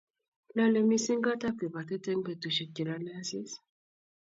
lolei mising' kootab kibatit eng' betusiek che lolei asis